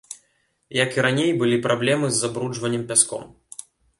Як і раней былі праблемы з забруджваннем пяском.